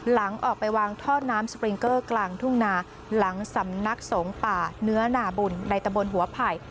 หลังออกไปวางท่อน้ำสปริงเกอร์กลางทุ่งนาหลังสำนักสงฆ์ป่าเนื้อนาบุญในตะบนหัวไผ่